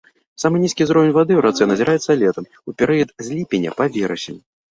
Самы нізкі ўзровень вады ў рацэ назіраецца летам, у перыяд з ліпеня па верасень.